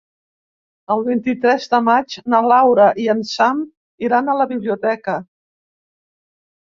El vint-i-tres de maig na Laura i en Sam iran a la biblioteca.